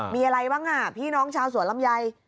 มีอะไรบ้างพี่น้องชาวสวนลำไย